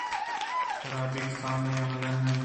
حرابی کسانیں یا مزن